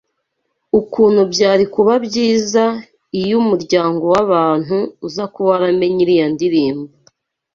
ukuntu byari kuba byiza iy’umuryango w’abantu uza kuba waramenye iriya ndirimbo